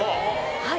はい。